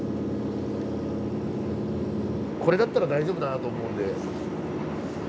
これだったら大丈夫だなと思うんで。